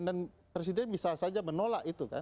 dan presiden bisa saja menolak itu kan